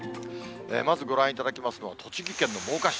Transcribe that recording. まずご覧いただきますのは、栃木県の真岡市。